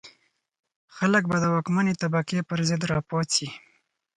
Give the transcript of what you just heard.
خلک به د واکمنې طبقې پر ضد را پاڅي.